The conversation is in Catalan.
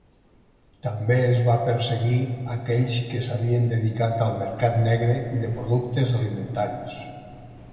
També es va perseguir aquells que s'havien dedicat al mercat negre de productes alimentaris.